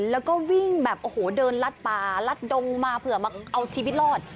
แล้วก็วิ่งแบบโอ้โหเดินลัดป่าลัดดงมาเผื่อมาเอาชีวิตรอด